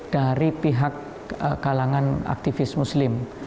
dari pihak kalangan aktivis muslim